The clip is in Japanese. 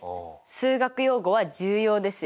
数学用語は重要ですよ。